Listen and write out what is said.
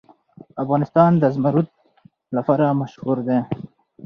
افغانستان د زمرد لپاره مشهور دی.